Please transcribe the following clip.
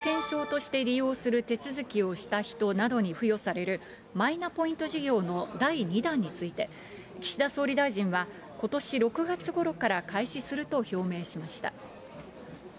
マイナンバーカードを健康保険証として利用する手続きをした人などに付与されるマイナポイント事業の第２弾について、岸田総理大臣は、ことし６月ごろから開始すると表明しました。